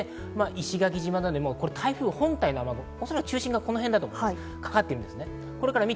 石垣島など台風本体の雨雲、おそらく中心がこの辺、かかっています。